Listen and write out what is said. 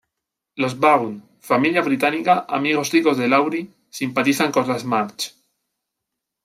Los Vaughn: Familia británica, amigos ricos de Laurie, simpatizan con las March.